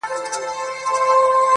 • مرګ له خپله لاسه -